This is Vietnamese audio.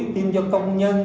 tiêm cho công nhân